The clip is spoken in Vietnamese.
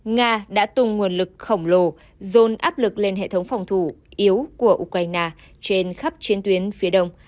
nga đã tung nguồn lực khổng lồ dồn áp lực lên hệ thống phòng thủ yếu của ukraine trên khắp chiến tuyến phía đông